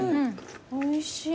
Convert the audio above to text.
おいしい。